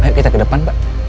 ayo kita ke depan pak